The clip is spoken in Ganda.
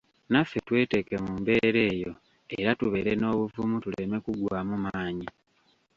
Naffe tweteeke mu mbeera eyo era tubeere n'obuvumu tuleme kuggwaamu maanyi.